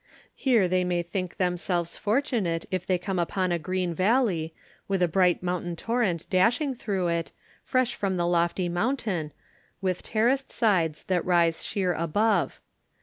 Here they may think themselves fortunate if they come upon a green valley, with a bright mountain torrent dashing through it, fresh from the lofty mountain, with terraced sides that rise sheer above.